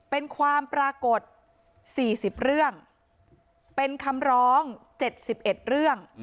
เป็นความปรากฏ๔๐เรื่องเป็นคำร้อง๗๑เรื่อง